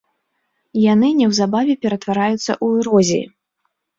Яны неўзабаве ператвараюцца ў эрозіі.